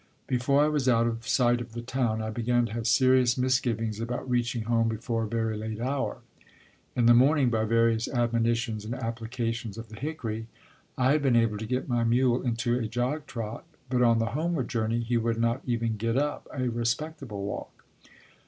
Before I was out of sight of the town, I began to have serious misgivings about reaching home before a very late hour. In the morning by various admonitions and applications of the hickory, I had been able to get my mule into a jog trot, but on the homeward journey he would not even get up a respectable walk.